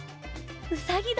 ウサギだ！